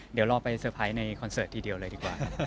เดี๋ยวเราไปเตอร์ไพรส์ในคอนเสิร์ตทีเดียวเลยดีกว่า